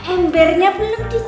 embernya belum dicuci